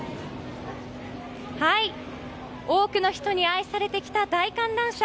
多くの人に愛されてきた大観覧車。